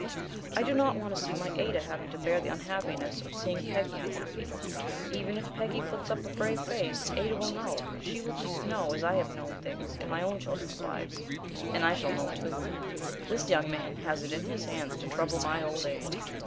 I do not want to see my Ada having to bear the unhappiness of seeing Peggy unhappy. Even if Peggy puts up a brave face, Ada will know she will know just as I have known things in my own children's lives; and I shall know, too. This young man has it in his hands to trouble my old age.